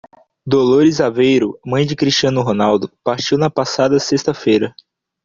Dolores Aveiro, mãe de Cristiano Ronaldo, partiu na passada sexta-feira.